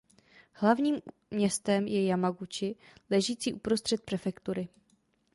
Hlavním městem je Jamaguči ležící uprostřed prefektury.